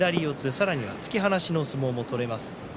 さらには突き放しの相撲を取れます。